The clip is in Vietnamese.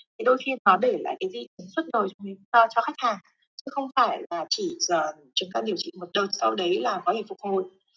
thì đôi khi nó để lại cái gì đó xuất đổi cho khách hàng chứ không phải là chỉ chúng ta điều trị một đợt sau đấy là có thể phục hồi